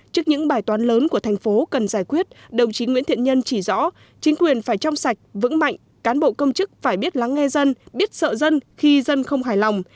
trước những bài toán lớn của thành phố cần giải quyết đồng chí nguyễn thiện nhân chỉ rõ chính quyền phải trong sạch vững mạnh cán bộ công chức phải biết lắng nghe dân biết sợ dân khi dân không hài lòng